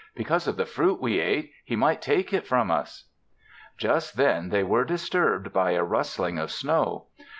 "Because of the fruit we ate, He might take it from us." Just then they were disturbed by a rustling of snow.